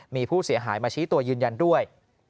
มีผู้เสียหายมาชี้ตัวยืนยันด้วย